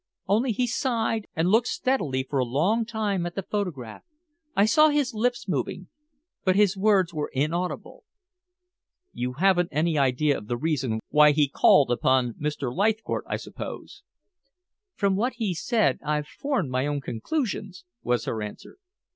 Only he sighed, and looked steadily for a long time at the photograph. I saw his lips moving, but his words were inaudible." "You haven't any idea of the reason why he called upon Mr. Leithcourt, I suppose?" "From what he said, I've formed my own conclusions," was her answer.